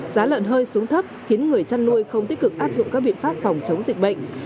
giá lợn hơi xuống thấp khiến người chăn nuôi không tích cực áp dụng các biện pháp phòng chống dịch bệnh